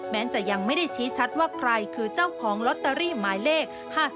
จะยังไม่ได้ชี้ชัดว่าใครคือเจ้าของลอตเตอรี่หมายเลข๕๓